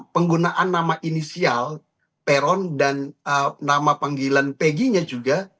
penggunaan nama inisial peron dan nama panggilan pegi nya juga